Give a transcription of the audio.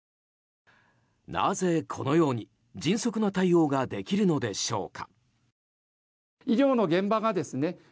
なぜこのように迅速な対応ができるのでしょうか。